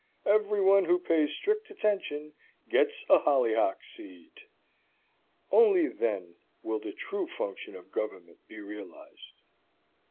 Every one who pays strict attention gets a hollyhock seed." Only then will the true function of government be realized.